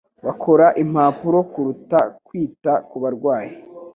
bakora impapuro kuruta kwita ku barwayi